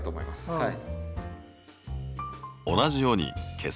はい。